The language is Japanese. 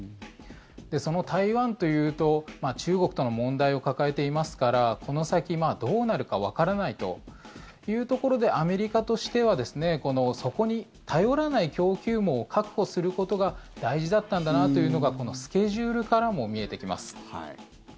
その台湾というと中国との問題を抱えていますからこの先、どうなるかわからないというところでアメリカとしてはそこに頼らない供給網を確保することが大事だったんだなというのがこのスケジュールからも見えてきます。